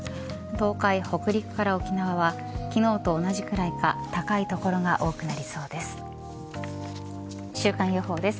東海、北陸から沖縄は昨日と同じくらいか高い所が多くなりそうです。